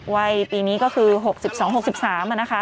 วัยปีนี้ก็คือ๖๒๖๓นะคะ